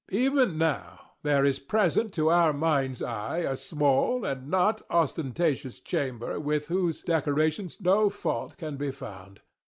Even now, there is present to our mind's eye a small and not, ostentatious chamber with whose decorations no fault can be found.